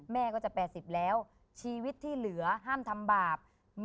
แม่ก็จะ๘๐แล้วชีวิตที่เหลือห้ามทำบาป